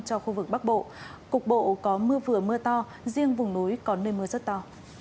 cho khu vực bắc bộ cục bộ có mưa vừa mưa to riêng vùng núi có nơi mưa rất to